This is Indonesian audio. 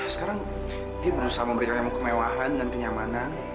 sekarang dia berusaha memberikan yang kemewahan dan kenyamanan